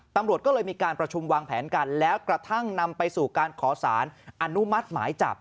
ตำรวจก็เลยมีการประชุมวางแผนกันแล้วกระทั่งนำไปสู่การขอสารอนุมัติหมายจับ